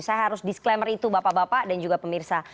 saya harus disclaimer itu bapak bapak dan juga pemirsa